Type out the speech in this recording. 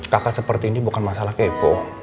kakak seperti ini bukan masalah kepo